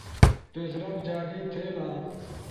پیش رفٹ جاری تھئیلا